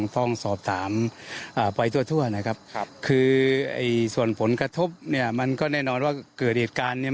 ต้องสอบถามไปทั่วนะครับคือไอ้ส่วนผลกระทบเนี่ยมันก็แน่นอนว่าเกิดเหตุการณ์เนี่ย